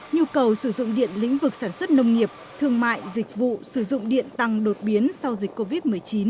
nhu cầu sử dụng điện lĩnh vực sản xuất nông nghiệp thương mại dịch vụ sử dụng điện tăng đột biến sau dịch covid một mươi chín